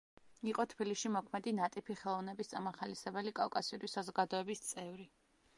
იყო თბილისში მოქმედი ნატიფი ხელოვნების წამახალისებელი კავკასიური საზოგადოების წევრი.